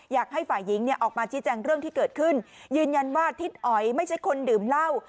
อยากให้ฝ่ายหญิงเนี่ยออกมาชี้แจงเรื่องที่เกิดขึ้นยืนยันว่าทิศอ๋อยไม่ใช่คนดื่มเหล้า